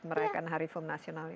merayakan hari film nasional ini